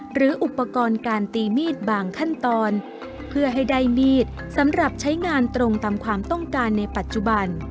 หรืออุปกรณ์การตีมีดบางขั้นตอนเพื่อให้ได้มีดสำหรับใช้งานตรงตามความต้องการในปัจจุบัน